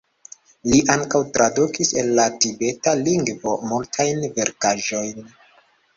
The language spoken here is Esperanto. Li ankaŭ tradukis el la tibeta lingvo multajn verkaĵojn.